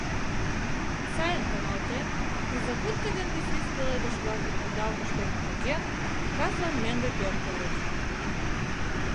Сайын каналтен, незабудко ден висвис пеледыш-влакым ӧндалтыш дене поген, каслан мӧҥгӧ пӧртыльыч.